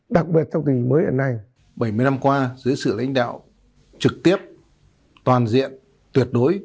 đặc biệt trong tình hình mới hiện nay bảy mươi năm qua dưới sự lãnh đạo trực tiếp toàn diện tuyệt đối